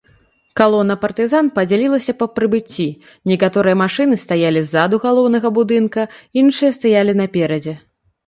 Калона партызан падзялілася па прыбыцці, некаторыя машыны стаялі ззаду галоўнага будынка, іншыя стаялі наперадзе.